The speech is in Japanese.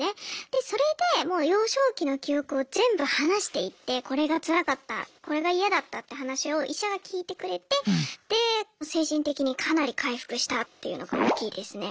でそれでもう幼少期の記憶を全部話していってこれがつらかったこれが嫌だったって話を医者が聞いてくれてで精神的にかなり回復したっていうのが大きいですね。